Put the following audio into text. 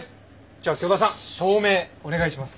じゃあ京田さん照明お願いします。